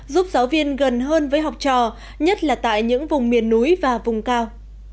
giúp giáo viên gần hơn với học trò nhất là tại những vùng miền núi và vùng cao